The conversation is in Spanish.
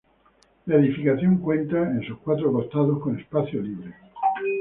La edificación cuenta en sus cuatro costados con espacio libre.